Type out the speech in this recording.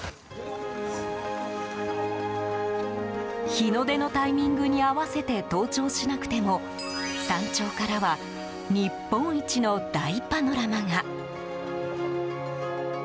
日の出のタイミングに合わせて登頂しなくても山頂からは日本一の大パノラマが。